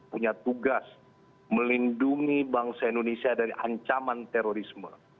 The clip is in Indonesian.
punya tugas melindungi bangsa indonesia dari ancaman terorisme